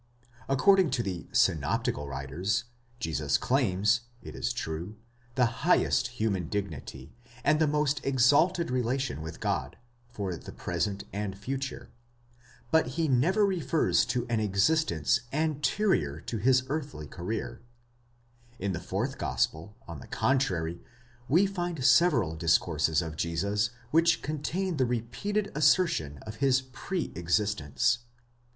According to the synoptical writers, Jesus claims, it is true, the highest human dignity, and the most exalted relation with God, for the present and future, but he never refers to an existence anterior to his earthly career: in the fourth gospel, on the contrary, we find several discourses of Jesus which contain the repeated assertion of such a pre existence.